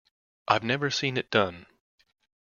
I've never seen it done.